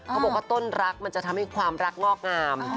เขาบอกว่าต้นรักมันจะทำให้ความรักงอกงาม